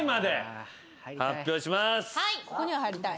ここには入りたい。